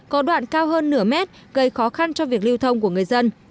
có đoạn cao hơn nửa mét gây khó khăn cho việc lưu thông của người dân